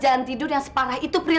andai saja saya tahu dokter